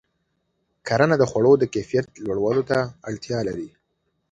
کرنه د خوړو د کیفیت لوړولو ته اړتیا لري.